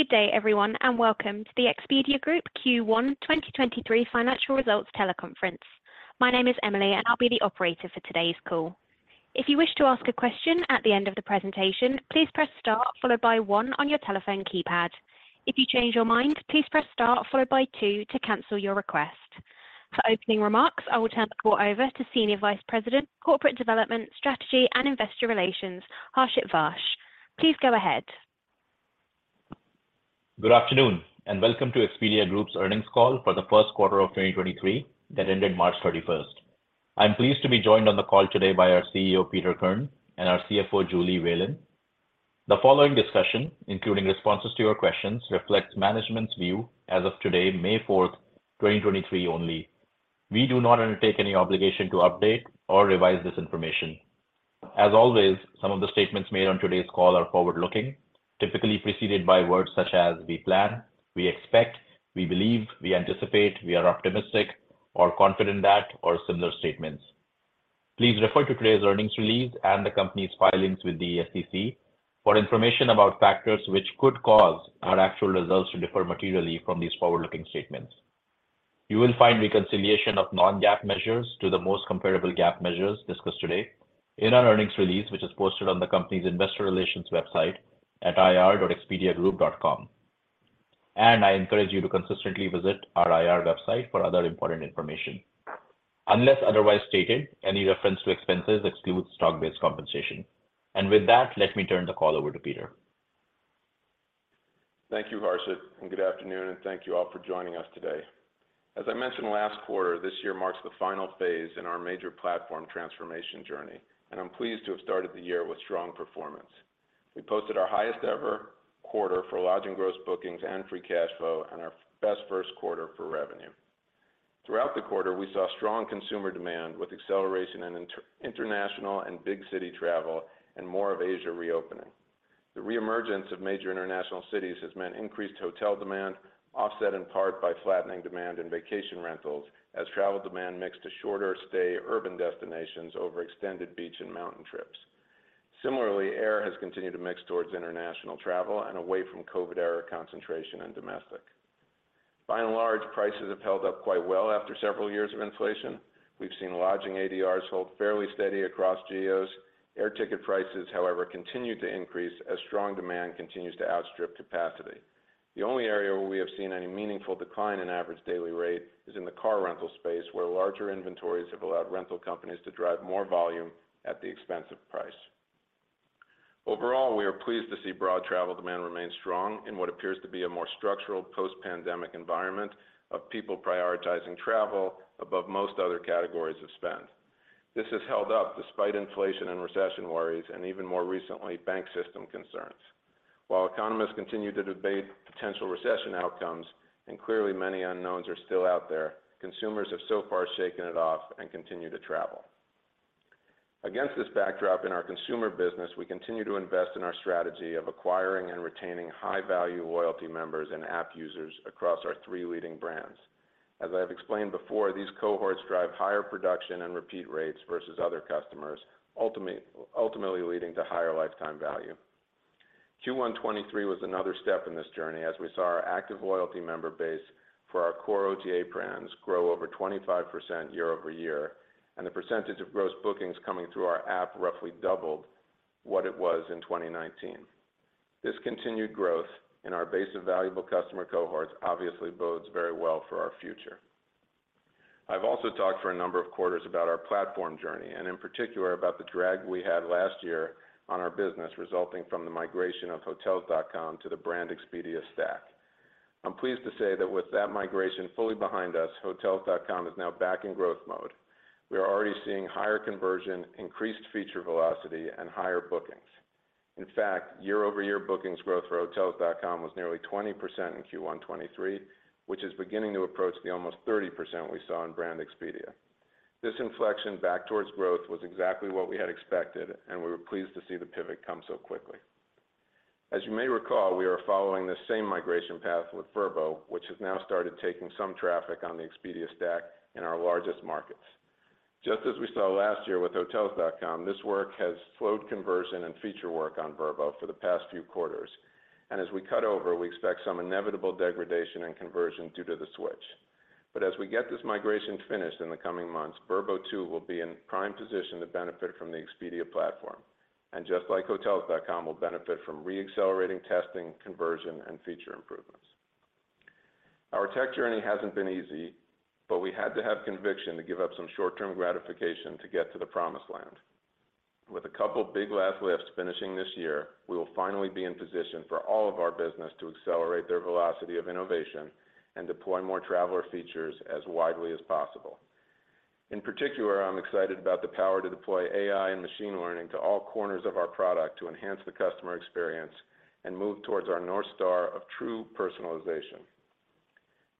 Good day, everyone. Welcome to the Expedia Group Q1 2023 Financial Results Teleconference. My name is Emily. I'll be the operator for today's call. If you wish to ask a question at the end of the presentation, please press star followed by one on your telephone keypad. If you change your mind, please press star followed by two to cancel your request. For opening remarks, I will turn the call over to Senior Vice President, Corporate Development, Strategy, and Investor Relations, Harshit Vaish. Please go ahead. Good afternoon and welcome to Expedia Group's Earnings Call for the Q1 of 2023 that ended March 31st. I'm pleased to be joined on the call today by our CEO, Peter Kern, and our CFO, Julie Whalen. The following discussion, including responses to your questions, reflects management's view as of today, May 4th, 2023 only. We do not undertake any obligation to update or revise this information. As always, some of the statements made on today's call are forward-looking, typically preceded by words such as "we plan", "we expect", "we believe", "we anticipate", "we are optimistic" or "confident that", or similar statements. Please refer to today's earnings release and the company's filings with the SEC for information about factors which could cause our actual results to differ materially from these forward-looking statements. You will find reconciliation of non-GAAP measures to the most comparable GAAP measures discussed today in our earnings release, which is posted on the company's investor relations website at ir.expediagroup.com. I encourage you to consistently visit our IR website for other important information. Unless otherwise stated, any reference to expenses excludes stock-based compensation. With that, let me turn the call over to Peter. Thank you, Harshit. Good afternoon, and thank you all for joining us today. As I mentioned last quarter, this year marks the final phase in our major platform transformation journey, and I'm pleased to have started the year with strong performance. We posted our highest ever quarter for lodging gross bookings and free cash flow and our best Q1 for revenue. Throughout the quarter, we saw strong consumer demand with acceleration in international and big city travel and more of Asia reopening. The reemergence of major international cities has meant increased hotel demand, offset in part by flattening demand in vacation rentals as travel demand mixed a shorter stay urban destinations over extended beach and mountain trips. Similarly, air has continued to mix towards international travel and away from COVID era concentration and domestic. By and large, prices have held up quite well after several years of inflation. We've seen lodging ADRs hold fairly steady across geos. Air ticket prices, however, continue to increase as strong demand continues to outstrip capacity. The only area where we have seen any meaningful decline in average daily rate is in the car rental space, where larger inventories have allowed rental companies to drive more volume at the expense of price. Overall, we are pleased to see broad travel demand remain strong in what appears to be a more structural post-pandemic environment of people prioritizing travel above most other categories of spend. This has held up despite inflation and recession worries, and even more recently, bank system concerns. While economists continue to debate potential recession outcomes, and clearly many unknowns are still out there, consumers have so far shaken it off and continue to travel. Against this backdrop in our consumer business, we continue to invest in our strategy of acquiring and retaining high-value loyalty members and app users across our three leading brands. As I have explained before, these cohorts drive higher production and repeat rates versus other customers, ultimately leading to higher lifetime value. Q1 2023 was another step in this journey as we saw our active loyalty member base for our core OTA brands grow over 25% year-over-year, and the percentage of gross bookings coming through our app roughly doubled what it was in 2019. This continued growth in our base of valuable customer cohorts obviously bodes very well for our future. I've also talked for a number of quarters about our platform journey, and in particular about the drag we had last year on our business resulting from the migration of Hotels.com to the Brand Expedia stack. I'm pleased to say that with that migration fully behind us, Hotels.com is now back in growth mode. We are already seeing higher conversion, increased feature velocity, and higher bookings. In fact, year-over-year bookings growth for Hotels.com was nearly 20% in Q1 2023, which is beginning to approach the almost 30% we saw in Brand Expedia. This inflection back towards growth was exactly what we had expected, and we were pleased to see the pivot come so quickly. As you may recall, we are following the same migration path with Vrbo, which has now started taking some traffic on the Expedia stack in our largest markets. Just as we saw last year with Hotels.com, this work has slowed conversion and feature work on Vrbo for the past few quarters, and as we cut over, we expect some inevitable degradation in conversion due to the switch. As we get this migration finished in the coming months, Vrbo too will be in prime position to benefit from the Expedia platform, and just like Hotels.com will benefit from re-accelerating testing, conversion, and feature improvements. Our tech journey hasn't been easy, but we had to have conviction to give up some short-term gratification to get to the promised land. With a couple of big last lifts finishing this year, we will finally be in position for all of our business to accelerate their velocity of innovation and deploy more traveler features as widely as possible. In particular, I'm excited about the power to deploy AI and machine learning to all corners of our product to enhance the customer experience and move towards our North Star of true personalization.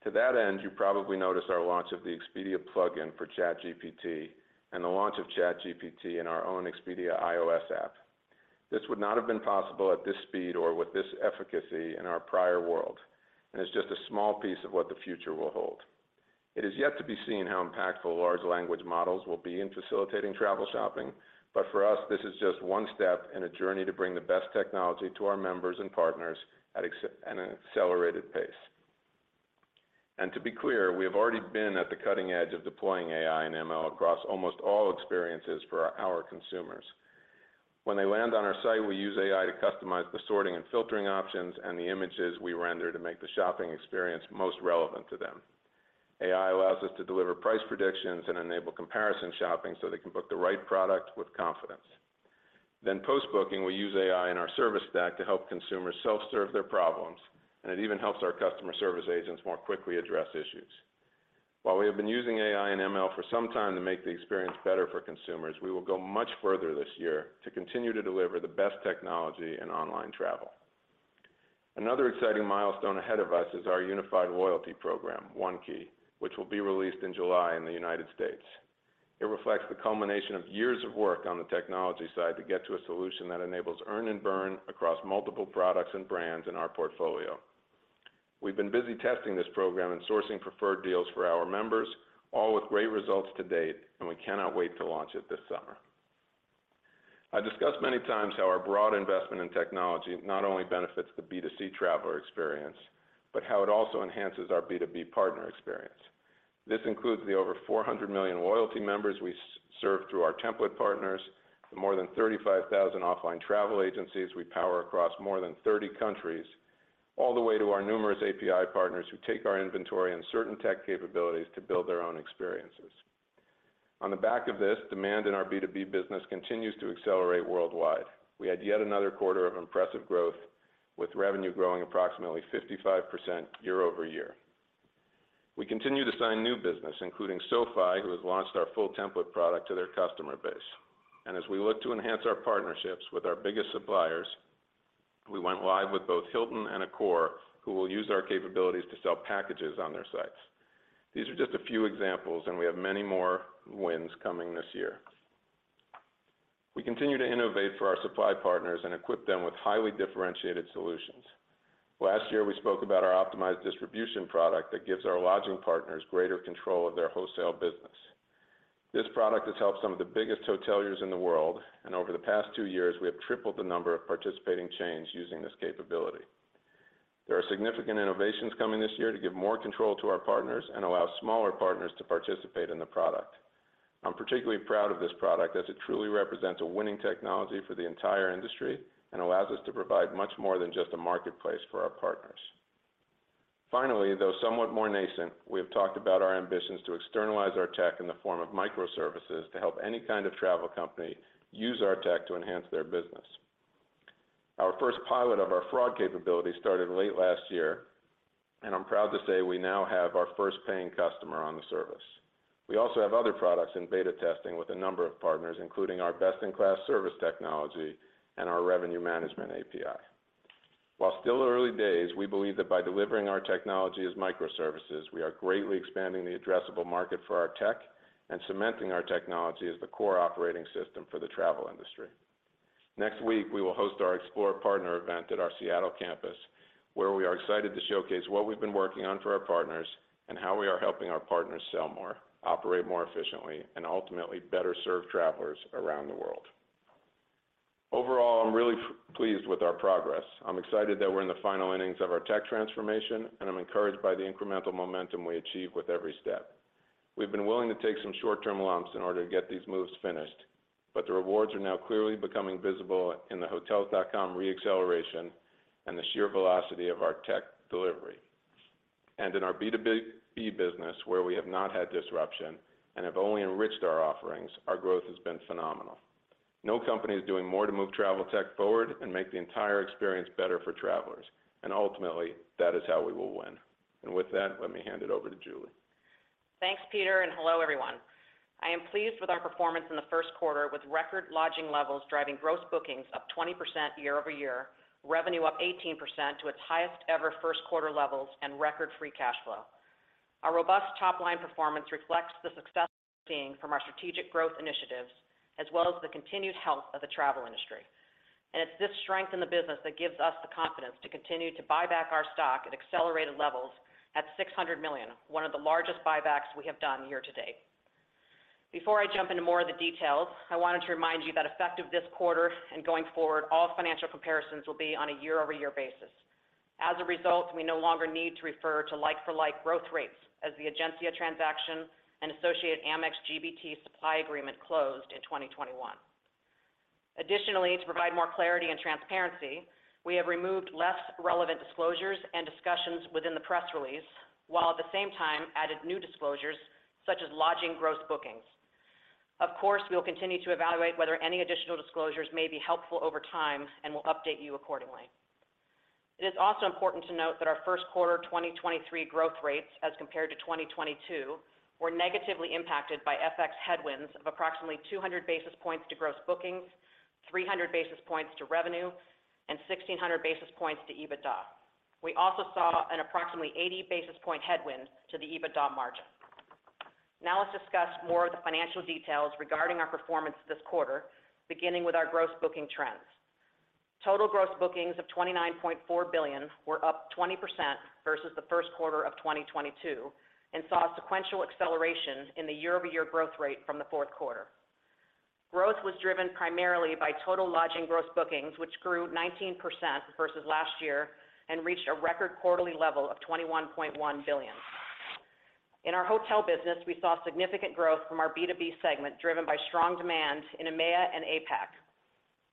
To that end, you probably noticed our launch of the Expedia plugin for ChatGPT and the launch of ChatGPT in our own Expedia iOS app. This would not have been possible at this speed or with this efficacy in our prior platform. It's just a small piece of what the future will hold. It is yet to be seen how impactful large language models will be in facilitating travel shopping. For us, this is just one step in a journey to bring the best technology to our members and partners at an accelerated pace. To be clear, we have already been at the cutting edge of deploying AI and ML across almost all experiences for our consumers. When they land on our site, we use AI to customize the sorting and filtering options and the images we render to make the shopping experience most relevant to them. AI allows us to deliver price predictions and enable comparison shopping so they can book the right product with confidence. Post-booking, we use AI in our service stack to help consumers self-serve their problems, and it even helps our customer service agents more quickly address issues. While we have been using AI and ML for some time to make the experience better for consumers, we will go much further this year to continue to deliver the best technology in online travel. Another exciting milestone ahead of us is our unified loyalty program, One Key, which will be released in July in the United States. It reflects the culmination of years of work on the technology side to get to a solution that enables earn and burn across multiple products and brands in our portfolio. We've been busy testing this program and sourcing preferred deals for our members, all with great results to date, and we cannot wait to launch it this summer. I discussed many times how our broad investment in technology not only benefits the B2C traveler experience, but how it also enhances our B2B partner experience. This includes the over 400 million loyalty members we serve through our template partners, the more than 35,000 offline travel agencies we power across more than 30 countries, all the way to our numerous API partners who take our inventory and certain tech capabilities to build their own experiences. On the back of this, demand in our B2B business continues to accelerate worldwide. We had yet another quarter of impressive growth with revenue growing approximately 55% year-over-year. We continue to sign new business, including SoFi, who has launched our full template product to their customer base. As we look to enhance our partnerships with our biggest suppliers, we went live with both Hilton and Accor, who will use our capabilities to sell packages on their sites. These are just a few examples, and we have many more wins coming this year. We continue to innovate for our supply partners and equip them with highly differentiated solutions. Last year, we spoke about our optimized distribution product that gives our lodging partners greater control of their wholesale business. This product has helped some of the biggest hoteliers in the world, and over the past two years, we have tripled the number of participating chains using this capability. There are significant innovations coming this year to give more control to our partners and allow smaller partners to participate in the product. I'm particularly proud of this product as it truly represents a winning technology for the entire industry and allows us to provide much more than just a marketplace for our partners. Though somewhat more nascent, we have talked about our ambitions to externalize our tech in the form of microservices to help any kind of travel company use our tech to enhance their business. Our first pilot of our fraud capability started late last year, and I'm proud to say we now have our first paying customer on the service. We also have other products in beta testing with a number of partners, including our best-in-class service technology and our revenue management API. While still early days, we believe that by delivering our technology as microservices, we are greatly expanding the addressable market for our tech and cementing our technology as the core operating system for the travel industry. Next week, we will host our EXPLORE Partner event at our Seattle campus, where we are excited to showcase what we've been working on for our partners and how we are helping our partners sell more, operate more efficiently, and ultimately better serve travelers around the world. Overall, I'm really pleased with our progress. I'm excited that we're in the final innings of our tech transformation, I'm encouraged by the incremental momentum we achieve with every step. We've been willing to take some short-term lumps in order to get these moves finished, the rewards are now clearly becoming visible in the Hotels.com re-acceleration and the sheer velocity of our tech delivery. In our B2B business where we have not had disruption and have only enriched our offerings, our growth has been phenomenal. No company is doing more to move travel tech forward and make the entire experience better for travelers, and ultimately, that is how we will win. With that, let me hand it over to Julie. Thanks, Peter. Hello, everyone. I am pleased with our performance in the Q1 with record lodging levels driving gross bookings up 20% year-over-year, revenue up 18% to its highest ever Q1 levels, and record free cash flow. Our robust top-line performance reflects the success we're seeing from our strategic growth initiatives as well as the continued health of the travel industry. It's this strength in the business that gives us the confidence to continue to buy back our stock at accelerated levels at $600 million, one of the largest buybacks we have done year-to-date. Before I jump into more of the details, I wanted to remind you that effective this quarter and going forward, all financial comparisons will be on a year-over-year basis. As a result, we no longer need to refer to like-for-like growth rates as the Egencia transaction and associated Amex GBT supply agreement closed in 2021. Additionally, to provide more clarity and transparency, we have removed less relevant disclosures and discussions within the press release, while at the same time added new disclosures such as lodging gross bookings. Of course, we'll continue to evaluate whether any additional disclosures may be helpful over time, and we'll update you accordingly. It is also important to note that our Q1 2023 growth rates as compared to 2022 were negatively impacted by FX headwinds of approximately 200 basis points to gross bookings, 300 basis points to revenue, and 1,600 basis points to EBITDA. We also saw an approximately 80 basis point headwind to the EBITDA margin. Let's discuss more of the financial details regarding our performance this quarter, beginning with our gross booking trends. Total gross bookings of $29.4 billion were up 20% versus the Q1 of 2022, and saw a sequential acceleration in the year-over-year growth rate from the Q4. Growth was driven primarily by total lodging gross bookings, which grew 19% versus last year and reached a record quarterly level of $21.1 billion. In our hotel business, we saw significant growth from our B2B segment, driven by strong demand in EMEA and APAC.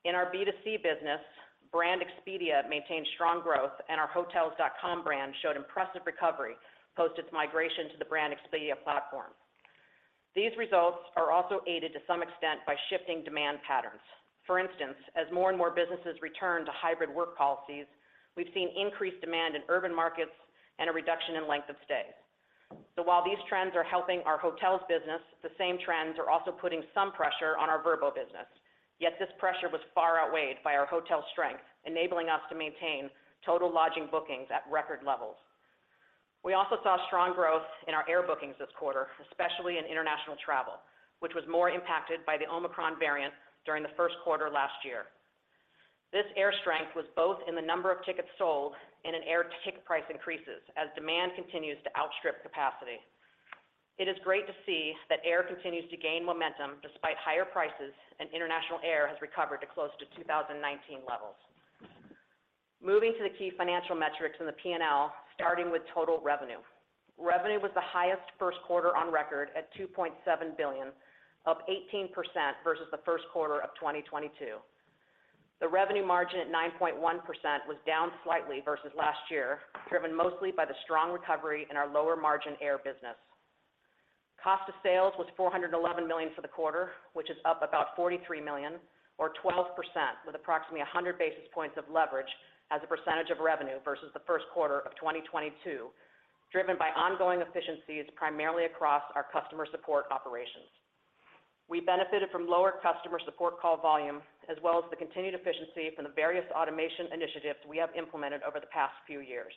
In our B2C business, Brand Expedia maintained strong growth and our Hotels.com brand showed impressive recovery post its migration to the Brand Expedia platform. These results are also aided to some extent by shifting demand patterns. As more and more businesses return to hybrid work policies, we've seen increased demand in urban markets and a reduction in length of stay. While these trends are helping our hotels business, the same trends are also putting some pressure on our Vrbo business. This pressure was far outweighed by our hotel strength, enabling us to maintain total lodging bookings at record levels. We also saw strong growth in our air bookings this quarter, especially in international travel, which was more impacted by the Omicron variant during the Q1 last year. This air strength was both in the number of tickets sold and in air ticket price increases as demand continues to outstrip capacity. It is great to see that air continues to gain momentum despite higher prices, and international air has recovered to close to 2019 levels. Moving to the key financial metrics in the P&L, starting with total revenue. Revenue was the highest Q1 on record at $2.7 billion, up 18% versus the Q1 of 2022. The revenue margin at 9.1% was down slightly versus last year, driven mostly by the strong recovery in our lower margin air business. Cost of sales was $411 million for the quarter, which is up about $43 million or 12% with approximately 100 basis points of leverage as a percentage of revenue versus the Q1 of 2022, driven by ongoing efficiencies primarily across our customer support operations. We benefited from lower customer support call volume, as well as the continued efficiency from the various automation initiatives we have implemented over the past few years.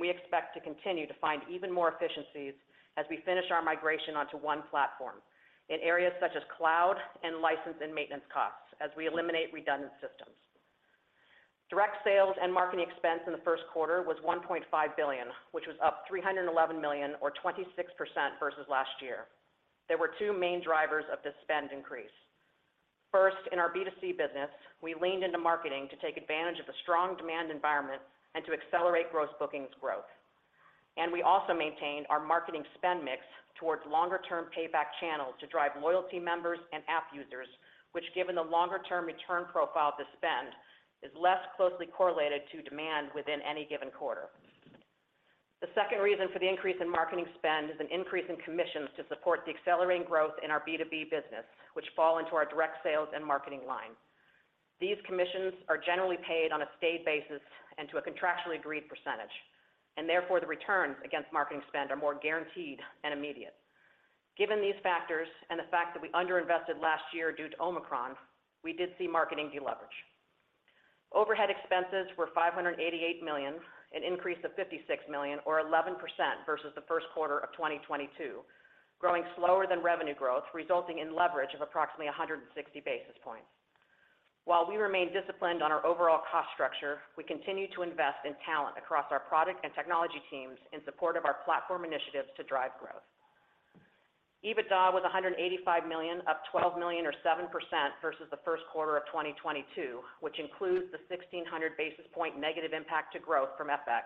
We expect to continue to find even more efficiencies as we finish our migration onto one platform in areas such as cloud and license and maintenance costs as we eliminate redundant systems. Direct sales and marketing expense in the Q1 was $1.5 billion, which was up $311 million or 26% versus last year. There were two main drivers of this spend increase. First, in our B2C business, we leaned into marketing to take advantage of the strong demand environment and to accelerate gross bookings growth. We also maintained our marketing spend mix towards longer-term payback channels to drive loyalty members and app users, which given the longer-term return profile to spend, is less closely correlated to demand within any given quarter. The second reason for the increase in marketing spend is an increase in commissions to support the accelerating growth in our B2B business, which fall into our direct sales and marketing line. These commissions are generally paid on a state basis and to a contractually agreed %. Therefore, the returns against marketing spend are more guaranteed and immediate. Given these factors and the fact that we underinvested last year due to Omicron, we did see marketing deleverage. Overhead expenses were $588 million, an increase of $56 million or 11% versus the Q1 of 2022, growing slower than revenue growth, resulting in leverage of approximately 160 basis points. While we remain disciplined on our overall cost structure, we continue to invest in talent across our product and technology teams in support of our platform initiatives to drive growth. EBITDA was $185 million, up $12 million or 7% versus the Q1 of 2022, which includes the 1,600 basis point negative impact to growth from FX.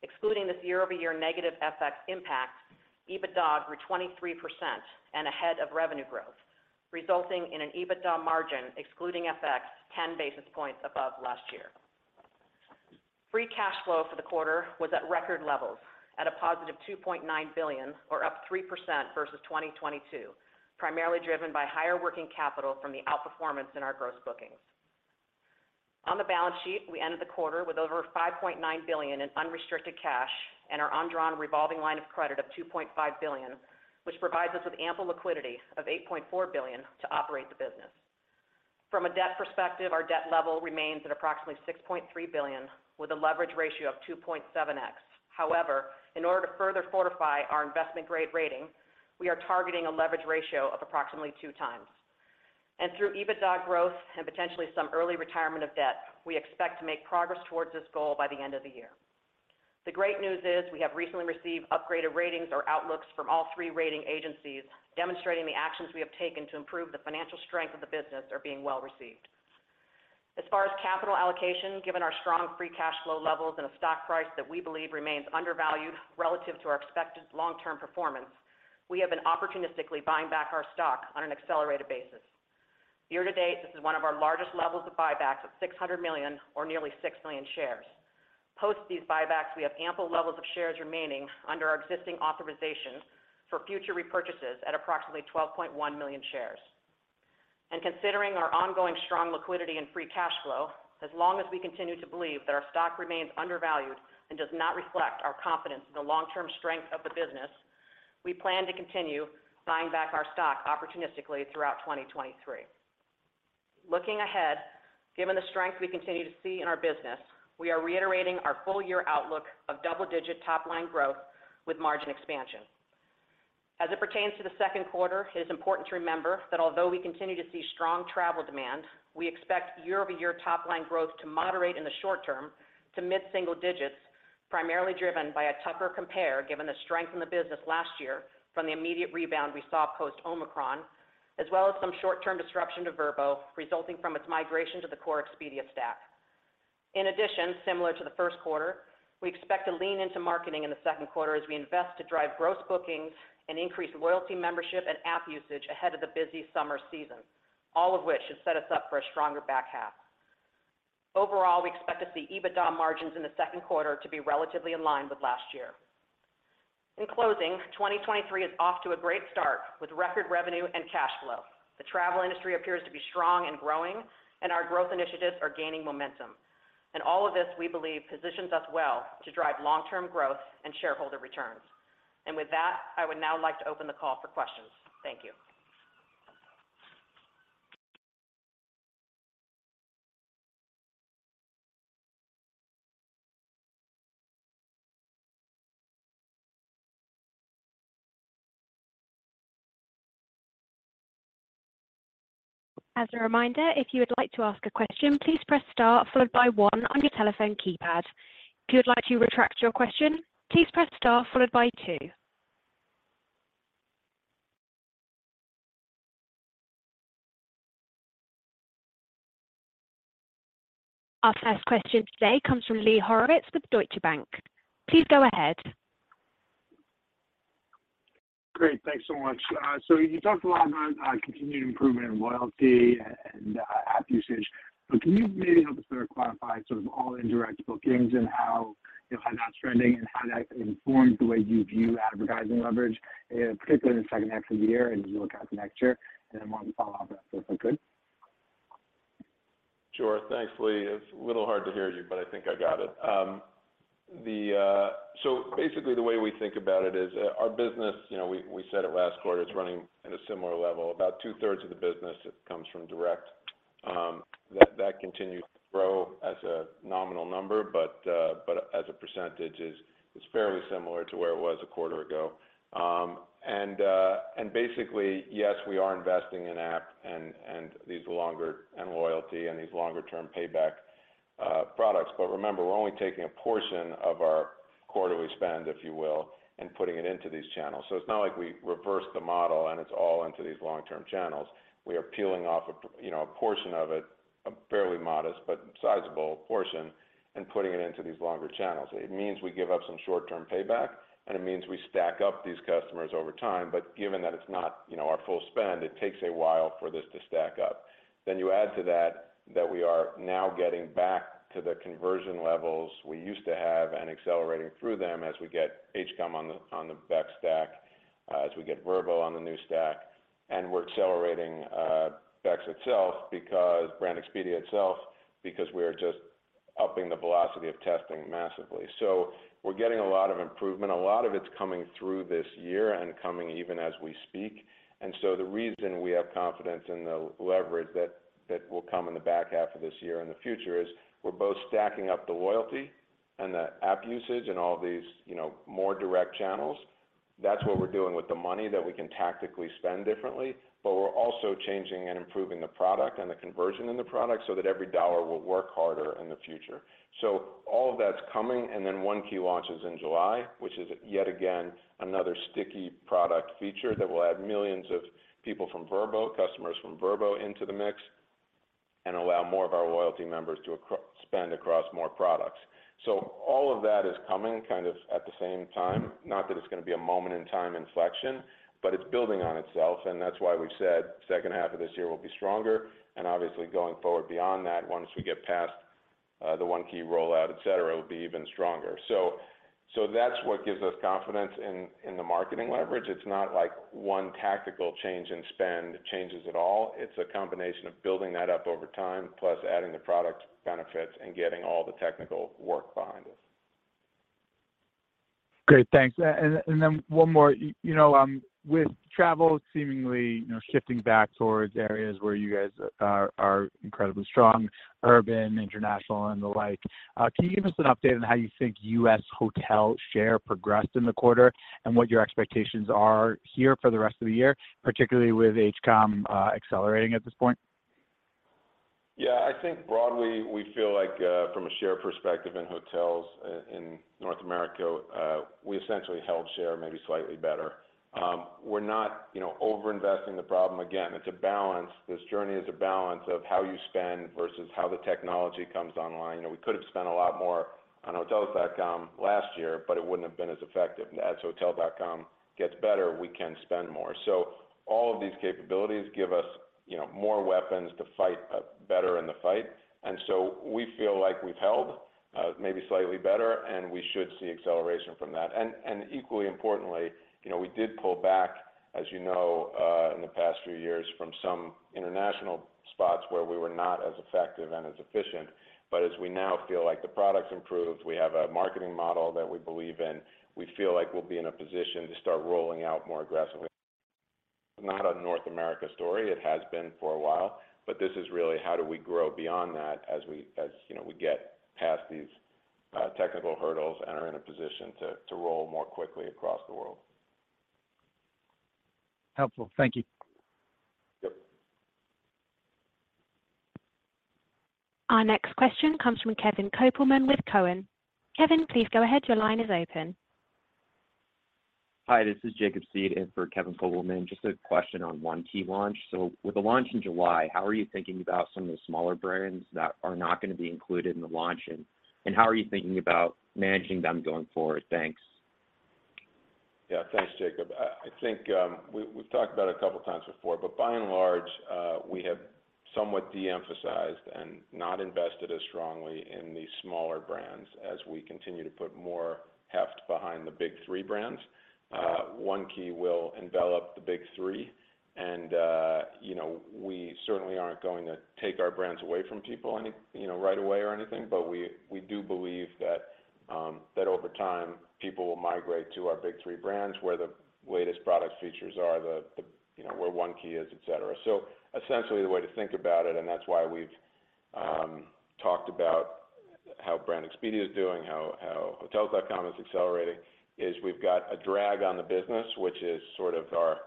Excluding this year-over-year negative FX impact, EBITDA grew 23% and ahead of revenue growth, resulting in an EBITDA margin excluding FX 10 basis points above last year. Free cash flow for the quarter was at record levels at a positive $2.9 billion or up 3% versus 2022, primarily driven by higher working capital from the outperformance in our gross bookings. On the balance sheet, we ended the quarter with over $5.9 billion in unrestricted cash and our undrawn revolving line of credit of $2.5 billion, which provides us with ample liquidity of $8.4 billion to operate the business. From a debt perspective, our debt level remains at approximately $6.3 billion with a leverage ratio of 2.7x. However, in order to further fortify our investment grade rating, we are targeting a leverage ratio of approximately 2x. Through EBITDA growth and potentially some early retirement of debt, we expect to make progress towards this goal by the end of the year. The great news is we have recently received upgraded ratings or outlooks from all three rating agencies, demonstrating the actions we have taken to improve the financial strength of the business are being well received. As far as capital allocation, given our strong free cash flow levels and a stock price that we believe remains undervalued relative to our expected long-term performance, we have been opportunistically buying back our stock on an accelerated basis. Year to date, this is one of our largest levels of buybacks of $600 million or nearly 6 million shares. Post these buybacks, we have ample levels of shares remaining under our existing authorization for future repurchases at approximately 12.1 million shares. Considering our ongoing strong liquidity and free cash flow, as long as we continue to believe that our stock remains undervalued and does not reflect our confidence in the long-term strength of the business, we plan to continue buying back our stock opportunistically throughout 2023. Looking ahead, given the strength we continue to see in our business, we are reiterating our full year outlook of double-digit top line growth with margin expansion. As it pertains to the Q2, it is important to remember that although we continue to see strong travel demand, we expect year-over-year top line growth to moderate in the short term to mid single digits, primarily driven by a tougher compare, given the strength in the business last year from the immediate rebound we saw post Omicron, as well as some short term disruption to Vrbo resulting from its migration to the core Expedia stack. In addition, similar to the Q1, we expect to lean into marketing in the Q2 as we invest to drive gross bookings and increase loyalty membership and app usage ahead of the busy summer season. All of which should set us up for a stronger back half. Overall, we expect to see EBITDA margins in the Q2 to be relatively in line with last year. In closing, 2023 is off to a great start with record revenue and cash flow. The travel industry appears to be strong and growing, and our growth initiatives are gaining momentum. All of this, we believe, positions us well to drive long-term growth and shareholder returns. With that, I would now like to open the call for questions. Thank you. As a reminder, if you would like to ask a question, please press star followed by one on your telephone keypad. If you would like to retract your question, please press star followed by two. Our first question today comes from Lee Horowitz with Deutsche Bank. Please go ahead. Great. Thanks so much. You talked a lot about continued improvement in loyalty and app usage. Can you maybe help us better qualify sort of all indirect bookings and how, you know, how that's trending and how that informs the way you view advertising leverage, particularly in the second half of the year and as you look out to next year? Then one follow-up after, if I could. Sure. Thanks, Lee. It's a little hard to hear you, but I think I got it. Basically, the way we think about it is, our business, you know, we said it last quarter, it's running at a similar level. About 2/3 of the business comes from direct. That continues to grow as a nominal number, but as a percentage is, it's fairly similar to where it was a quarter ago. Basically, yes, we are investing in app and loyalty and these longer term payback products. Remember, we're only taking a portion of our quarterly spend, if you will, and putting it into these channels. It's not like we reversed the model and it's all into these long-term channels. We are peeling off a you know, a portion of it, a fairly modest but sizable portion, and putting it into these longer channels. It means we give up some short-term payback, and it means we stack up these customers over time. Given that it's not, you know, our full spend, it takes a while for this to stack up. You add to that we are now getting back to the conversion levels we used to have and accelerating through them as we get HCOM on the Bex stack, as we get Vrbo on the new stack, and we're accelerating Bex itself because Brand Expedia itself, because we are just upping the velocity of testing massively. We're getting a lot of improvement. A lot of it's coming through this year and coming even as we speak. The reason we have confidence in the leverage that will come in the back half of this year and the future is we're both stacking up the loyalty and the app usage and all these, you know, more direct channels. That's what we're doing with the money that we can tactically spend differently. We're also changing and improving the product and the conversion in the product so that every dollar will work harder in the future. All of that's coming, and then One Key launches in July, which is yet again another sticky product feature that will add millions of people from Vrbo, customers from Vrbo into the mix, and allow more of our loyalty members to spend across more products. All of that is coming kind of at the same time. Not that it's gonna be a moment in time inflection, but it's building on itself, and that's why we've said H2 of this year will be stronger, and obviously going forward beyond that, once we get past the One Key rollout, et cetera, will be even stronger. That's what gives us confidence in the marketing leverage. It's not like one tactical change in spend changes at all. It's a combination of building that up over time, plus adding the product benefits and getting all the technical work behind us. Great. Thanks. Then one more. You know, with travel seemingly, you know, shifting back towards areas where you guys are incredibly strong, urban, international and the like, can you give us an update on how you think U.S. hotel share progressed in the quarter and what your expectations are here for the rest of the year, particularly with Hotels.com accelerating at this point? Yeah. I think broadly we feel like from a share perspective in hotels in North America, we essentially held share maybe slightly better. We're not, you know, over-investing the problem. Again, it's a balance. This journey is a balance of how you spend versus how the technology comes online. You know, we could have spent a lot more on Hotels.com last year, but it wouldn't have been as effective. As Hotels.com gets better, we can spend more. All of these capabilities give us, you know, more weapons to fight better in the fight. Equally importantly, you know, we did pull back, as you know, in the past few years from some international spots where we were not as effective and as efficient. As we now feel like the product's improved, we have a marketing model that we believe in, we feel like we'll be in a position to start rolling out more aggressively. It's not a North America story. It has been for a while. This is really how do we grow beyond that as we, you know, we get past these technical hurdles and are in a position to roll more quickly across the world. Helpful. Thank you. Yep. Our next question comes from Kevin Kopelman with Cowen. Kevin, please go ahead. Your line is open. Hi, this is Jacob Seidl in for Kevin Kopelman. Just a question on One Key launch. With the launch in July, how are you thinking about some of the smaller brands that are not gonna be included in the launch, and how are you thinking about managing them going forward? Thanks. Yeah. Thanks, Jacob. I think we've talked about it a couple of times before, by and large, we have somewhat de-emphasized and not invested as strongly in the smaller brands as we continue to put more heft behind the big three brands. One Key will envelop the big three, and, you know, we certainly aren't going to take our brands away from people any, you know, right away or anything. We do believe that over time, people will migrate to our big three brands where the latest product features are the, you know, where One Key is, et cetera. Essentially the way to think about it, and that's why we've talked about how Brand Expedia is doing, how Hotels.com is accelerating, is we've got a drag on the business, which is sort of our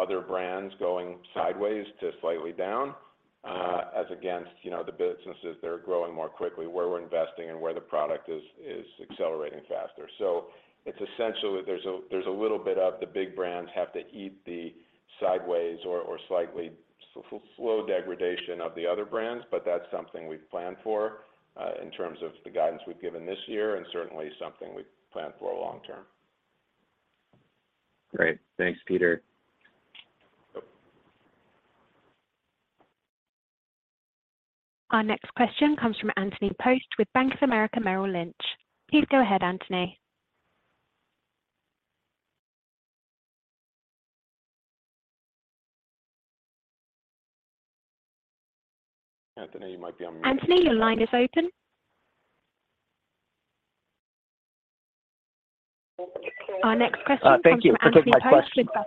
other brands going sideways to slightly down, as against, you know, the businesses that are growing more quickly where we're investing and where the product is accelerating faster. It's essentially there's a, there's a little bit of the big brands have to eat the sideways or slightly slow degradation of the other brands, but that's something we've planned for, in terms of the guidance we've given this year and certainly something we plan for long term. Great. Thanks, Peter. Yep. Our next question comes from Justin Post with Bank of America Merrill Lynch. Please go ahead, Anthony. Anthony, you might be on mute. Justin, your line is open. Our next question comes from Justin Post. Thank you for taking my question. Go ahead.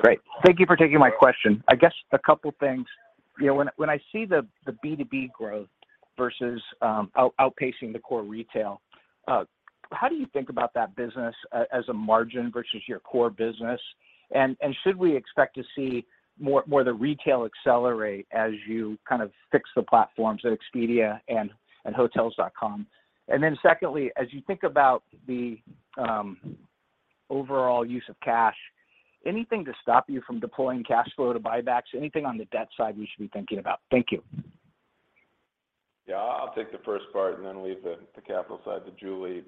Great. Thank you for taking my question. I guess a couple things. You know, when I see the B2B growth versus, outpacing the core retail, how do you think about that business, as a margin versus your core business? Should we expect to see more the retail accelerate as you kind of fix the platforms at Expedia and Hotels.com? Secondly, as you think about the overall use of cash, anything to stop you from deploying cash flow to buybacks, anything on the debt side we should be thinking about? Thank you. Yeah. I'll take the first part and then leave the capital side to Julie.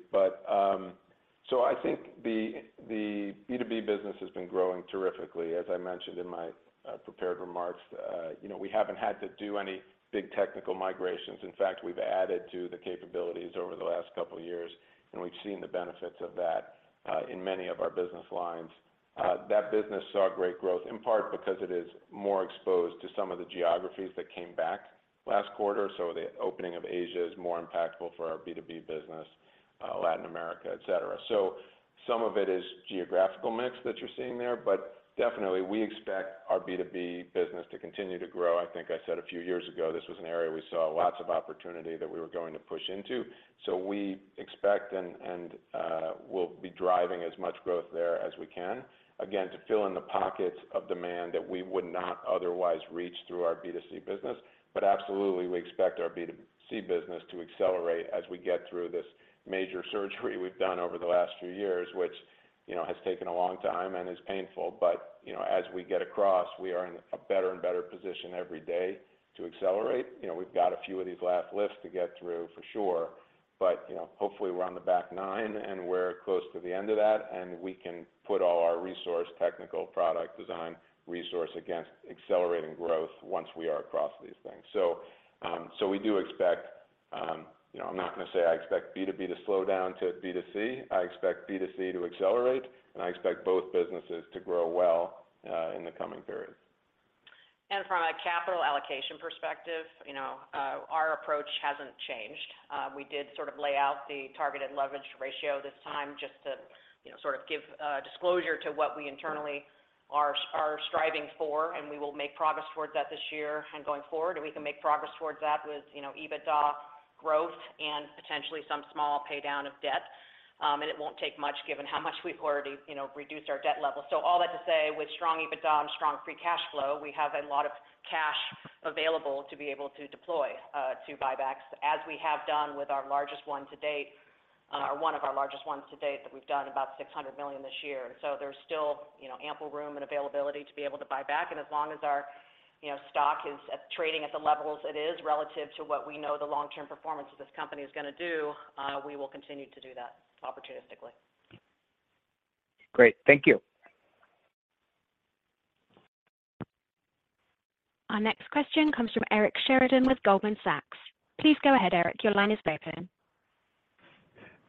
I think the B2B business has been growing terrifically, as I mentioned in my prepared remarks. You know, we haven't had to do any big technical migrations. In fact, we've added to the capabilities over the last couple of years, and we've seen the benefits of that in many of our business lines. That business saw great growth, in part because it is more exposed to some of the geographies that came back last quarter. The opening of Asia is more impactful for our B2B business, Latin America, et cetera. Some of it is geographical mix that you're seeing there, definitely we expect our B2B business to continue to grow. I think I said a few years ago, this was an area we saw lots of opportunity that we were going to push into. We expect we'll be driving as much growth there as we can, again, to fill in the pockets of demand that we would not otherwise reach through our B2C business. Absolutely, we expect our B2C business to accelerate as we get through this major surgery we've done over the last few years, which, you know, has taken a long time and is painful. You know, as we get across, we are in a better and better position every day to accelerate. You know, we've got a few of these last lifts to get through for sure, but, you know, hopefully we're on the back nine, and we're close to the end of that, and we can put all our resource, technical product design resource against accelerating growth once we are across these things. We do expect, you know, I'm not gonna say I expect B2B to slow down to B2C. I expect B2C to accelerate, and I expect both businesses to grow well, in the coming period. From a capital allocation perspective, you know, our approach hasn't changed. We did sort of lay out the targeted leverage ratio this time just to, you know, sort of give disclosure to what we internally are striving for. We will make progress towards that this year and going forward. We can make progress towards that with, you know, EBITDA growth and potentially some small pay-down of debt. It won't take much given how much we've already, you know, reduced our debt level. All that to say with strong EBITDA and strong free cash flow, we have a lot of cash available to be able to deploy to buybacks, as we have done with our largest one to date, or one of our largest ones to date that we've done about $600 million this year. There's still, you know, ample room and availability to be able to buy back. As long as our, you know, stock is trading at the levels it is relative to what we know the long-term performance of this company is gonna do, we will continue to do that opportunistically. Great. Thank you. Our next question comes from Eric Sheridan with Goldman Sachs. Please go ahead, Eric. Your line is open.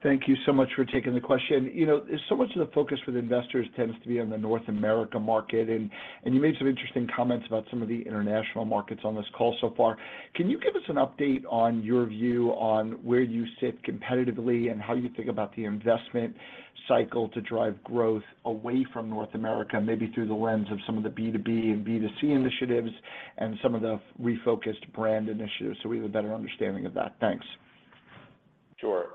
Thank you so much for taking the question. You know, so much of the focus for the investors tends to be on the North America market, and you made some interesting comments about some of the international markets on this call so far. Can you give us an update on your view on where you sit competitively and how you think about the investment cycle to drive growth away from North America, maybe through the lens of some of the B2B and B2C initiatives and some of the refocused brand initiatives so we have a better understanding of that. Thanks. Sure.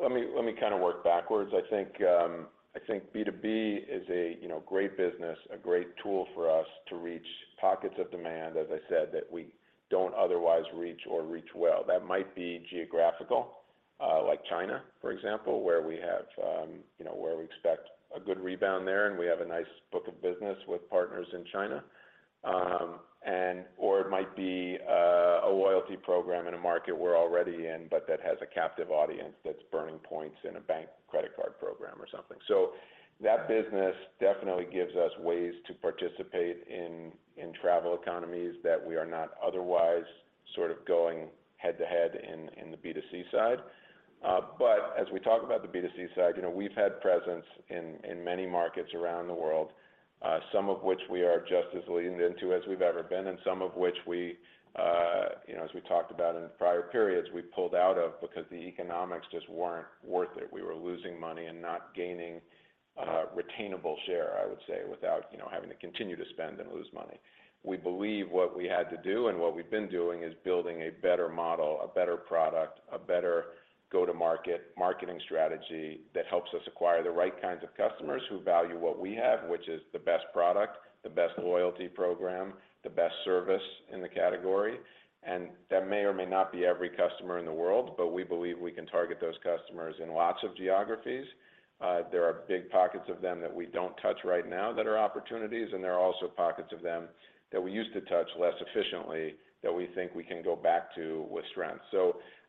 Let me kind of work backwards. I think, I think B2B is a, you know, great business, a great tool for us to reach pockets of demand, as I said, that we don't otherwise reach or reach well. That might be geographical, like China, for example, where we have, you know, where we expect a good rebound there, and we have a nice book of business with partners in China. Or it might be, a loyalty program in a market we're already in, but that has a captive audience that's burning points in a bank credit card program or something. That business definitely gives us ways to participate in travel economies that we are not otherwise sort of going head to head in the B2C side. As we talk about the B2C side, you know, we've had presence in many markets around the world, some of which we are just as leaned into as we've ever been, and some of which we, you know, as we talked about in prior periods, we pulled out of because the economics just weren't worth it. We were losing money and not gaining retainable share, I would say, without, you know, having to continue to spend and lose money. We believe what we had to do and what we've been doing is building a better model, a better product, a better go-to-market marketing strategy that helps us acquire the right kinds of customers who value what we have, which is the best product, the best loyalty program, the best service in the category. That may or may not be every customer in the world, but we believe we can target those customers in lots of geographies. There are big pockets of them that we don't touch right now that are opportunities, and there are also pockets of them that we used to touch less efficiently that we think we can go back to with strength.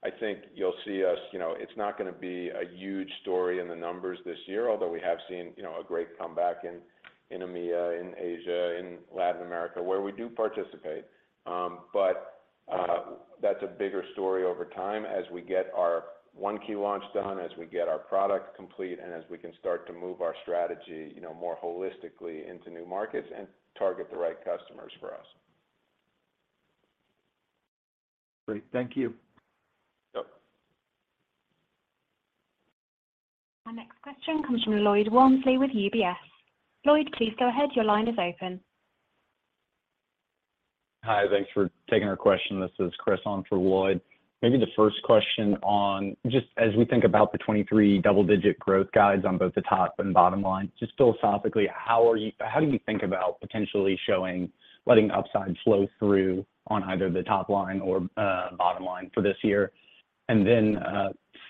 I think you'll see us, you know. It's not gonna be a huge story in the numbers this year, although we have seen, you know, a great comeback in EMEA, in Asia, in Latin America, where we do participate. That's a bigger story over time as we get our One Key launch done, as we get our product complete, and as we can start to move our strategy, you know, more holistically into new markets and target the right customers for us. Great. Thank you. Yep. Our next question comes from Lloyd Walmsley with UBS. Lloyd, please go ahead. Your line is open. Hi. Thanks for taking our question. This is Chris on for Lloyd. Maybe the first question on just as we think about the 2023 double-digit growth guides on both the top and bottom line, just philosophically, how do you think about potentially showing letting upside flow through on either the top line or bottom line for this year?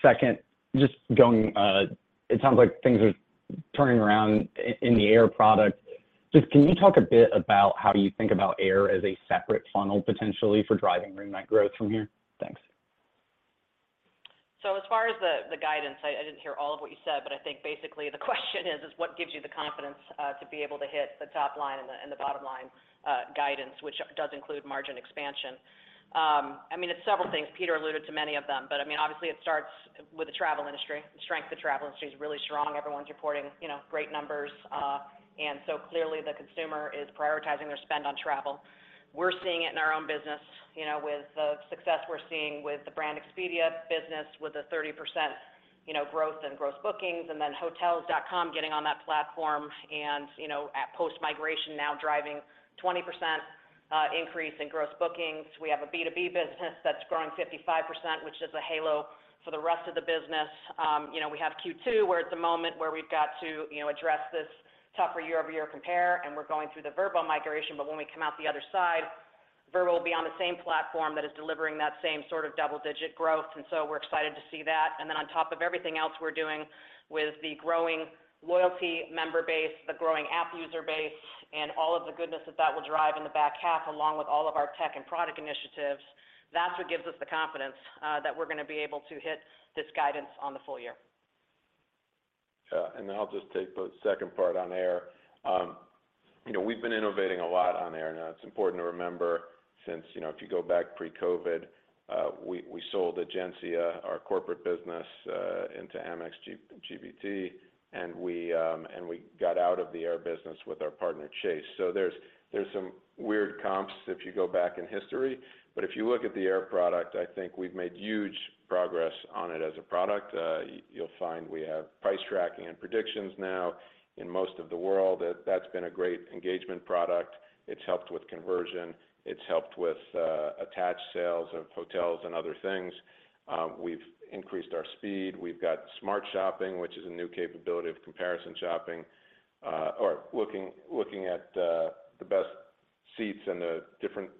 Second, just going. It sounds like things are turning around in the air product. Can you talk a bit about how you think about air as a separate funnel potentially for driving room night growth from here? Thanks. As far as the guidance, I didn't hear all of what you said, but I think basically the question is what gives you the confidence to be able to hit the top line and the, and the bottom line guidance, which does include margin expansion. I mean, it's several things. Peter alluded to many of them, but I mean, obviously it starts with the travel industry. The strength of travel industry is really strong. Everyone's reporting, you know, great numbers. Clearly the consumer is prioritizing their spend on travel. We're seeing it in our own business, you know, with the success we're seeing with the Brand Expedia business, with the 30%, you know, growth and gross bookings, and then Hotels.com getting on that platform and, you know, at post-migration now driving 20% increase in gross bookings. We have a B2B business that's growing 55%, which is a halo for the rest of the business. You know, we have Q2, where at the moment where we've got to, you know, address this tougher year-over-year compare, and we're going through the Vrbo migration. When we come out the other side, Vrbo will be on the same platform that is delivering that same sort of double-digit growth, and so we're excited to see that. On top of everything else we're doing with the growing loyalty member base, the growing app user base, and all of the goodness that that will drive in the back half, along with all of our tech and product initiatives, that's what gives us the confidence that we're gonna be able to hit this guidance on the full year. Yeah. Then I'll just take the second part on air. You know, we've been innovating a lot on air now. It's important to remember since, you know, if you go back pre-COVID, we sold Egencia, our corporate business, into Amex GBT, and we got out of the air business with our partner, Chase. There's some weird comps if you go back in history. If you look at the air product, I think we've made huge progress on it as a product. You'll find we have price tracking and predictions now in most of the world. That's been a great engagement product. It's helped with conversion. It's helped with attached sales of hotels and other things. We've increased our speed. We've got smart shopping, which is a new capability of comparison shopping, or looking at the best seats and the different,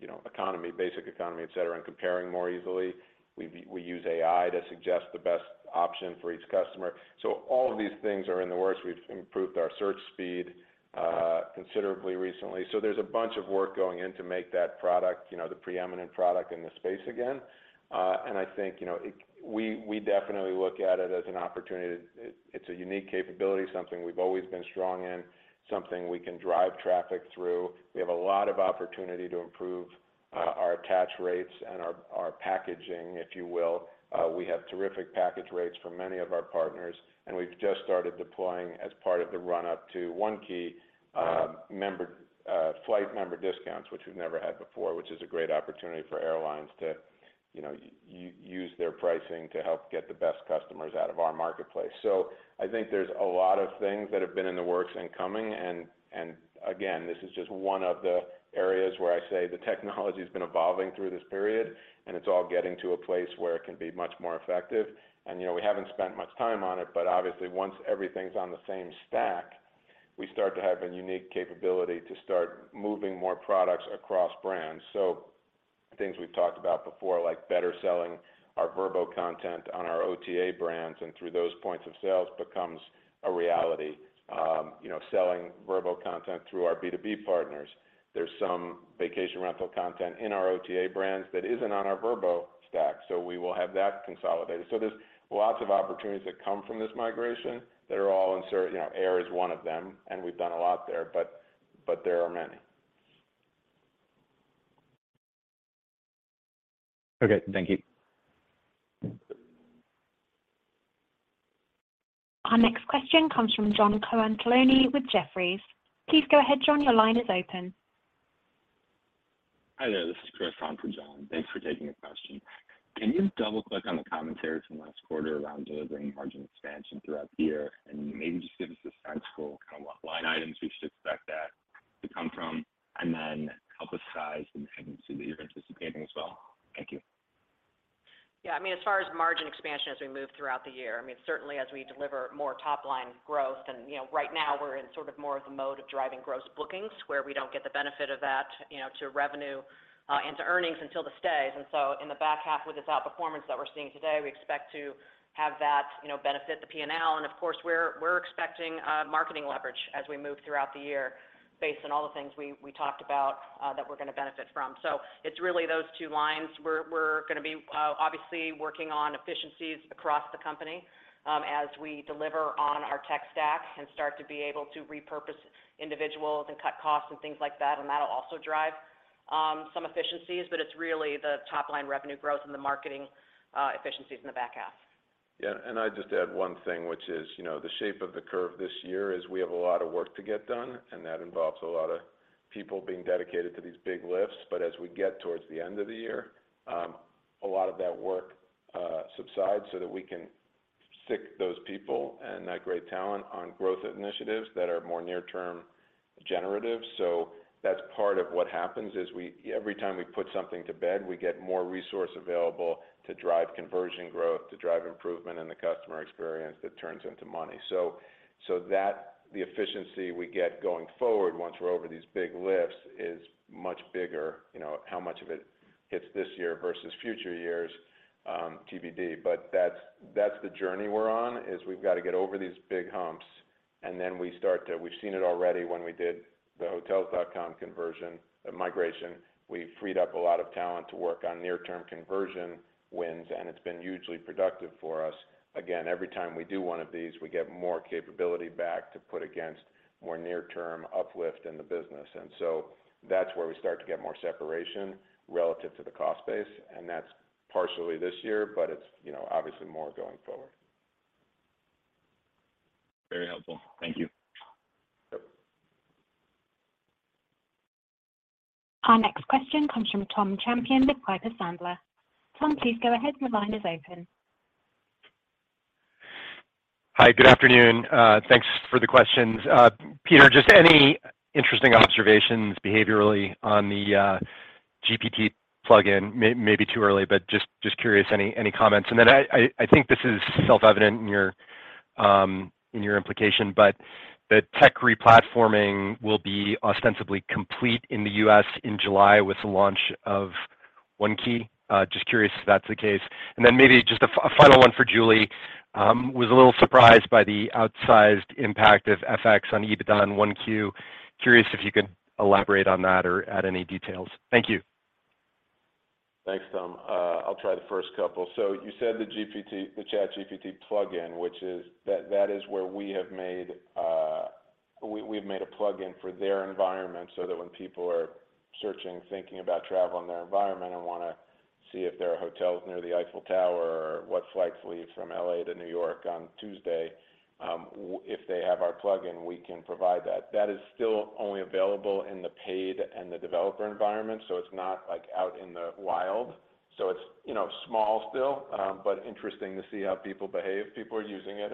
you know, economy, basic economy, etc., and comparing more easily. We use AI to suggest the best option for each customer. All of these things are in the works. We've improved our search speed considerably recently. There's a bunch of work going in to make that product, you know, the preeminent product in the space again. I think, you know, we definitely look at it as an opportunity. It's a unique capability, something we've always been strong in, something we can drive traffic through. We have a lot of opportunity to improve our attach rates and our packaging, if you will. We have terrific package rates for many of our partners, and we've just started deploying as part of the run-up to One Key, member flight member discounts, which we've never had before, which is a great opportunity for airlines to, you know, use their pricing to help get the best customers out of our marketplace. I think there's a lot of things that have been in the works and coming, and again, this is just one of the areas where I say the technology's been evolving through this period, and it's all getting to a place where it can be much more effective. You know, we haven't spent much time on it, but obviously once everything's on the same stack, we start to have a unique capability to start moving more products across brands. Things we've talked about before, like better selling our Vrbo content on our OTA brands and through those points of sales becomes a reality. You know, selling Vrbo content through our B2B partners. There's some vacation rental content in our OTA brands that isn't on our Vrbo stack, we will have that consolidated. There's lots of opportunities that come from this migration that are all You know, air is one of them, and we've done a lot there, but there are many. Okay. Thank you. Our next question comes from John Colantuoni with Jefferies. Please go ahead, John. Your line is open. Hi there. This is Chris on for John. Thanks for taking the question. Can you double-click on the commentary from last quarter around delivering margin expansion throughout the year? Maybe just give us a sense for kind of what line items we should expect that to come from, and then help us size the magnitude that you're anticipating as well. Thank you. Yeah. I mean, as far as margin expansion as we move throughout the year, I mean, certainly as we deliver more top-line growth and, you know, right now we're in sort of more of the mode of driving gross bookings where we don't get the benefit of that, you know, to revenue and to earnings until the stays. In the back half with this outperformance that we're seeing today, we expect to have that, you know, benefit the P&L. Of course, we're expecting marketing leverage as we move throughout the year based on all the things we talked about that we're gonna benefit from. It's really those two lines. We're gonna be obviously working on efficiencies across the company, as we deliver on our tech stack and start to be able to repurpose individuals and cut costs and things like that, and that'll also drive some efficiencies. It's really the top-line revenue growth and the marketing efficiencies in the back half. Yeah. I'd just add one thing, which is, you know, the shape of the curve this year is we have a lot of work to get done, and that involves a lot of people being dedicated to these big lifts. As we get towards the end of the year, a lot of that work subsides so that we can stick those people and that great talent on growth initiatives that are more near-term generative. That's part of what happens, is every time we put something to bed, we get more resource available to drive conversion growth, to drive improvement in the customer experience that turns into money. That the efficiency we get going forward once we're over these big lifts is much bigger. You know, how much of it hits this year versus future years, TBD. That's the journey we're on, is we've got to get over these big humps and then we start to. We've seen it already when we did the Hotels.com conversion, migration. We freed up a lot of talent to work on near-term conversion wins, and it's been hugely productive for us. Again, every time we do one of these, we get more capability back to put against more near-term uplift in the business. That's where we start to get more separation relative to the cost base, and that's partially this year, but it's, you know, obviously more going forward. Very helpful. Thank you. Yep. Our next question comes from Thomas Champion with Piper Sandler. Tom, please go ahead. Your line is open. Hi. Good afternoon. Thanks for the questions. Peter, just any interesting observations behaviorally on the GPT plugin? maybe too early, but just curious, any comments. I think this is self-evident in your implication, but the tech re-platforming will be ostensibly complete in the U.S. in July with the launch of One Key. Just curious if that's the case. Maybe just a final one for Julie. was a little surprised by the outsized impact of FX on EBITDA in 1Q. Curious if you could elaborate on that or add any details. Thank you. Thanks, Tom. I'll try the first couple. You said the ChatGPT plugin, which is. That is where we've made a plugin for their environment so that when people are searching, thinking about travel in their environment and wanna see if there are hotels near the Eiffel Tower or what flights leave from L.A. to New York on Tuesday, if they have our plugin, we can provide that. That is still only available in the paid and the developer environment, so it's not, like, out in the wild. It's, you know, small still, but interesting to see how people behave. People are using it,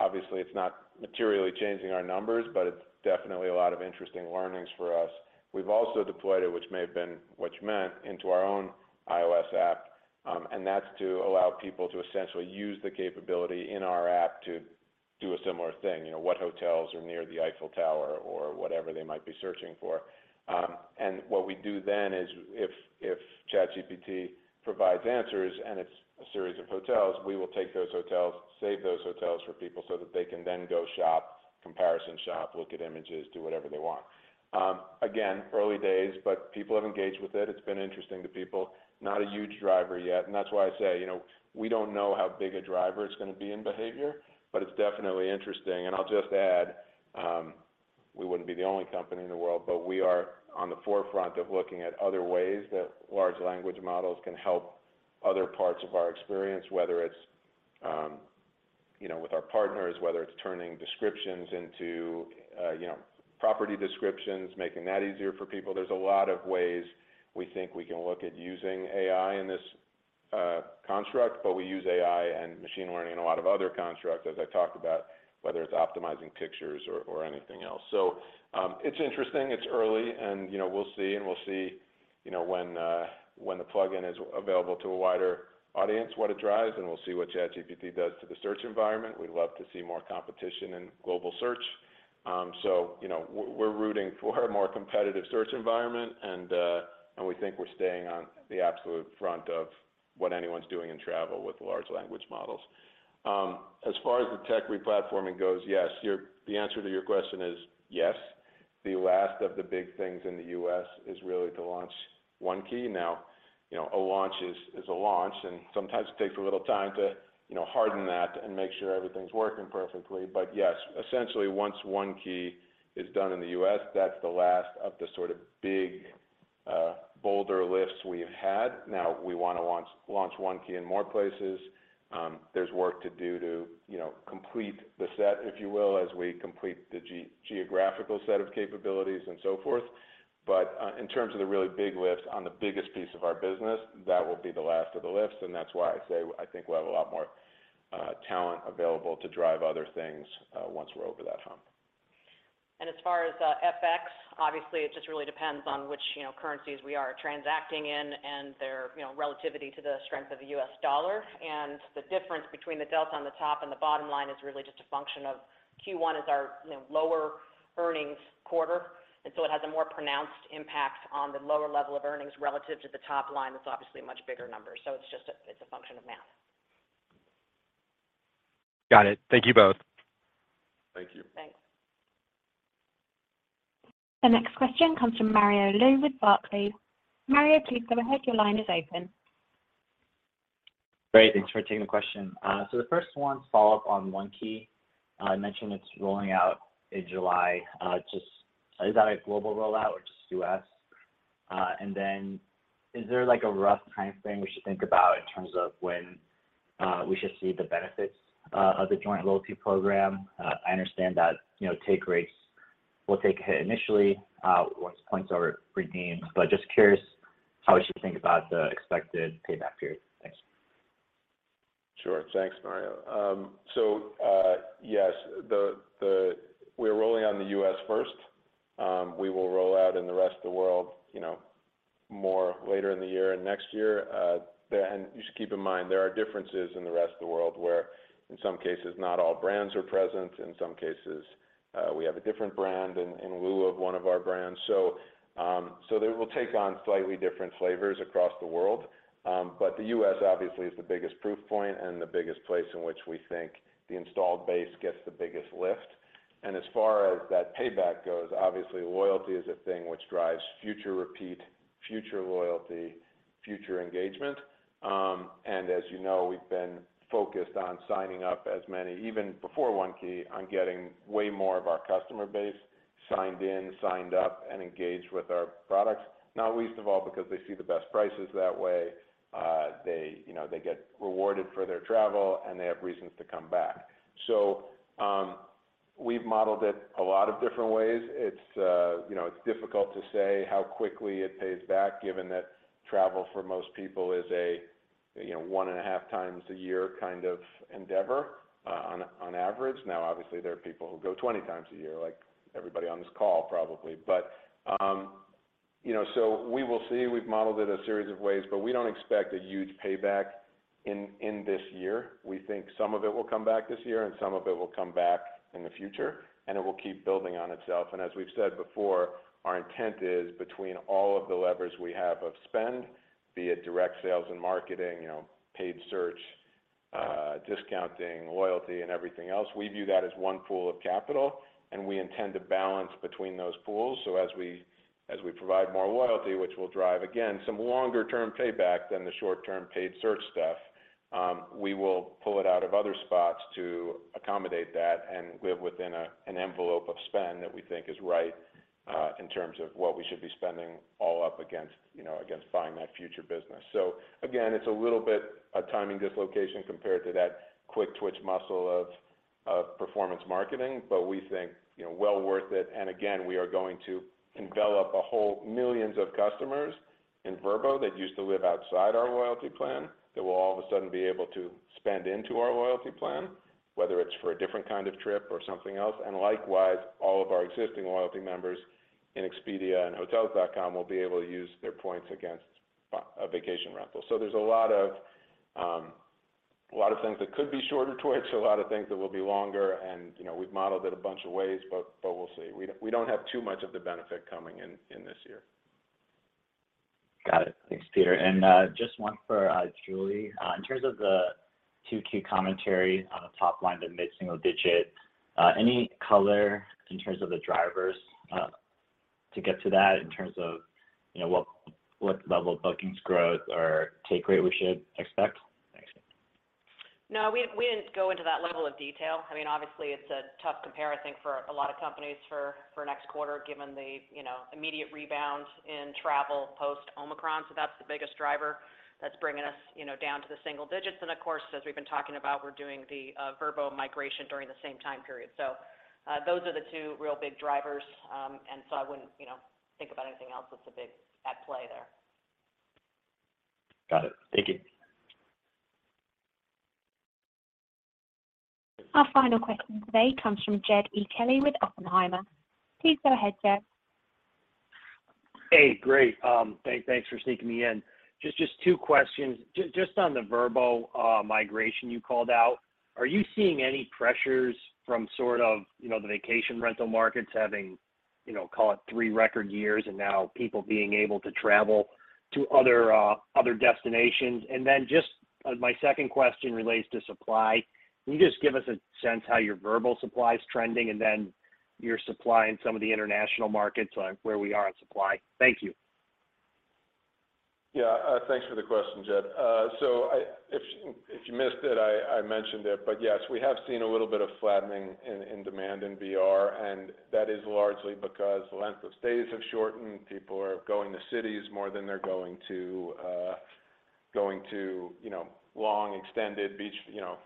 obviously it's not materially changing our numbers, but it's definitely a lot of interesting learnings for us. We've also deployed it, which may have been what you meant, into our own iOS app. That's to allow people to essentially use the capability in our app to do a similar thing. You know, what hotels are near the Eiffel Tower or whatever they might be searching for. What we do then is if ChatGPT provides answers and it's a series of hotels, we will take those hotels, save those hotels for people so that they can then go shop, comparison shop, look at images, do whatever they want. Again, early days. People have engaged with it. It's been interesting to people. Not a huge driver yet. That's why I say, you know, we don't know how big a driver it's gonna be in behavior, but it's definitely interesting. I'll just add, we wouldn't be the only company in the world, but we are on the forefront of looking at other ways that large language models can help other parts of our experience, whether it's, you know, with our partners, whether it's turning descriptions into, you know, property descriptions, making that easier for people. There's a lot of ways we think we can look at using AI in this construct, but we use AI and machine learning in a lot of other constructs, as I talked about, whether it's optimizing pictures or anything else. It's interesting, it's early, and, you know, we'll see, you know, when the plugin is available to a wider audience, what it drives, and we'll see what ChatGPT does to the search environment. We'd love to see more competition in global search. You know, we're rooting for a more competitive search environment and we think we're staying on the absolute front of what anyone's doing in travel with large language models. As far as the tech re-platforming goes, yes, the answer to your question is yes. The last of the big things in the U.S. is really to launch One Key now. You know, a launch is a launch and sometimes it takes a little time to, you know, harden that and make sure everything's working perfectly. Yes, essentially once One Key is done in the U.S., that's the last of the sort of big, bolder lifts we have had. We wanna launch One Key in more places. There's work to do to, you know, complete the set, if you will, as we complete the geographical set of capabilities and so forth. In terms of the really big lifts on the biggest piece of our business, that will be the last of the lifts. That's why I say I think we'll have a lot more talent available to drive other things once we're over that hump. As far as FX, obviously it just really depends on which, you know, currencies we are transacting in and their, you know, relativity to the strength of the U.S. dollar. The difference between the delta on the top and the bottom line is really just a function of Q1 is our, you know, lower earnings quarter, so it has a more pronounced impact on the lower level of earnings relative to the top line that's obviously a much bigger number. It's just a function of math. Got it. Thank you both. Thank you. Thanks. The next question comes from Mario Lu with Barclays. Mario, please go ahead. Your line is open. Great. Thanks for taking the question. The first one follow up on One Key. You mentioned it's rolling out in July. Just is that a global rollout or just U.S.? Is there like a rough timeframe we should think about in terms of when we should see the benefits of the joint loyalty program? I understand that, you know, take rates will take a hit initially once points are redeemed, but just curious how we should think about the expected payback period? Thanks. Sure. Thanks, Mario. Yes, we are rolling out in the U.S. first. We will roll out in the rest of the world, you know, more later in the year and next year. You should keep in mind there are differences in the rest of the world where in some cases, not all brands are present. In some cases, we have a different brand in lieu of one of our brands. They will take on slightly different flavors across the world. The U.S. obviously is the biggest proof point and the biggest place in which we think the installed base gets the biggest lift. As far as that payback goes, obviously loyalty is a thing which drives future repeat, future loyalty, future engagement. As you know, we've been focused on signing up as many even before One Key on getting way more of our customer base signed in, signed up, and engaged with our products, not least of all because they see the best prices that way. They, you know, they get rewarded for their travel and they have reasons to come back. We've modeled it a lot of different ways. It's, you know, it's difficult to say how quickly it pays back given that travel for most people is a, you know, 1.5 time a year kind of endeavor, on average. Now obviously there are people who go 20 times a year, like everybody on this call probably. You know, so we will see. We've modeled it a series of ways, but we don't expect a huge payback in this year. We think some of it will come back this year and some of it will come back in the future, and it will keep building on itself. As we've said before, our intent is between all of the levers we have of spend, be it direct sales and marketing, you know, paid search, discounting, loyalty, and everything else, we view that as one pool of capital, we intend to balance between those pools. As we provide more loyalty, which will drive, again, some longer term payback than the short term paid search stuff, we will pull it out of other spots to accommodate that and live within an envelope of spend that we think is right, in terms of what we should be spending all up against, you know, against buying that future business. Again, it's a little bit a timing dislocation compared to that quick twitch muscle of performance marketing, but we think, you know, well worth it. Again, we are going to envelop a whole millions of customers in Vrbo that used to live outside our loyalty plan that will all of a sudden be able to spend into our loyalty plan, whether it's for a different kind of trip or something else. Likewise, all of our existing loyalty members in Expedia and Hotels.com will be able to use their points against a vacation rental. There's a lot of things that could be shorter twitch, a lot of things that will be longer and, you know, we've modeled it a bunch of ways, but we'll see. We don't have too much of the benefit coming in this year. Got it. Thanks, Peter. Just one for, Julie. In terms of the 2Q commentary on the top line to mid-single digit, any color in terms of the drivers, to get to that in terms of, you know, what level of bookings growth or take rate we should expect? No, we didn't go into that level of detail. I mean, obviously it's a tough comparison for a lot of companies for next quarter, given the, you know, immediate rebound in travel post-Omicron. That's the biggest driver that's bringing us, you know, down to the single digits. Of course, as we've been talking about, we're doing the Vrbo migration during the same time period. Those are the two real big drivers. I wouldn't, you know, think about anything else that's at play there. Got it. Thank you. Our final question today comes from Jed E. Kelly with Oppenheimer. Please go ahead, Jed. Hey, great. thanks for sneaking me in. Just two questions. Just on the Vrbo migration you called out, are you seeing any pressures from sort of, you know, the vacation rental markets having, you know, call it three record years and now people being able to travel to other destinations? Just my second question relates to supply. Can you just give us a sense how your Vrbo supply is trending and then your supply in some of the international markets on where we are on supply? Thank you. Yeah. Thanks for the question, Jed. If you, if you missed it, I mentioned it, but yes, we have seen a little bit of flattening in demand in VR, and that is largely because the length of stays have shortened. People are going to cities more than they're going to, going to, you know, long extended beach, you know,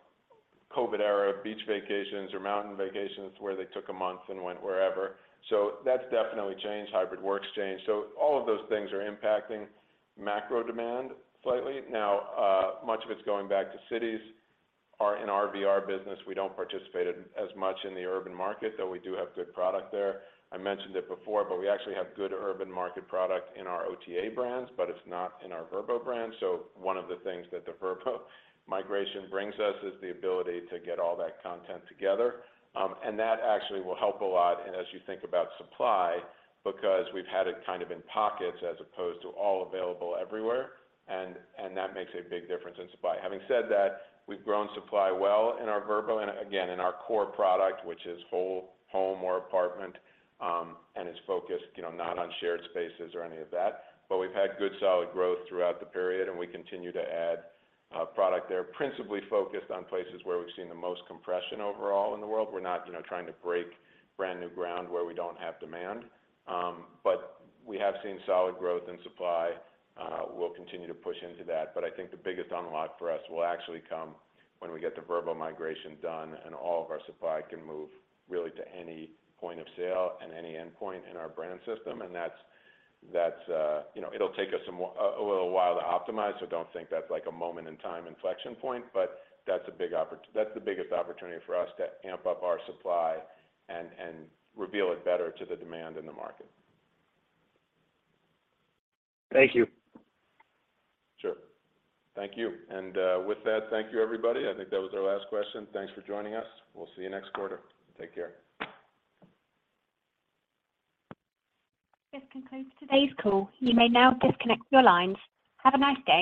COVID era beach vacations or mountain vacations where they took a month and went wherever. That's definitely changed. Hybrid work's changed. All of those things are impacting macro demand slightly. Now, much of it's going back to cities. In our VR business, we don't participate as much in the urban market, though we do have good product there. I mentioned it before, but we actually have good urban market product in our OTA brands, but it's not in our Vrbo brand. One of the things that the Vrbo migration brings us is the ability to get all that content together. That actually will help a lot and as you think about supply, because we've had it kind of in pockets as opposed to all available everywhere and that makes a big difference in supply. Having said that, we've grown supply well in our Vrbo and again, in our core product, which is whole home or apartment, and is focused, you know, not on shared spaces or any of that. We've had good, solid growth throughout the period, and we continue to add product there, principally focused on places where we've seen the most compression overall in the world. We're not, you know, trying to break brand new ground where we don't have demand. We have seen solid growth in supply. We'll continue to push into that. I think the biggest unlock for us will actually come when we get the Vrbo migration done, and all of our supply can move really to any point of sale and any endpoint in our brand system. That's, you know, it'll take us a little while to optimize, so don't think that's like a moment in time inflection point. That's the biggest opportunity for us to amp up our supply and reveal it better to the demand in the market. Thank you. Sure. Thank you. With that, thank you everybody. I think that was our last question. Thanks for joining us. We'll see you next quarter. Take care. This concludes today's call. You may now disconnect your lines. Have a nice day.